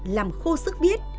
làm khô sức biết